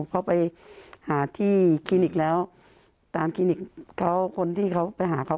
เขาไปหาที่คลินิกแล้วตามคลินิกเขาคนที่เขาไปหาเขา